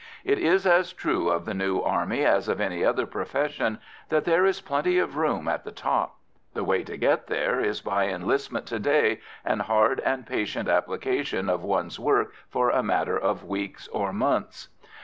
It is as true of the new army as of any other profession that there is plenty of room at the top. The way to get there is by enlistment to day and hard and patient application to one's work for a matter of weeks or months.